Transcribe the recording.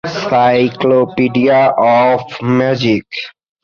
সাইক্লোপিডিয়া of magic.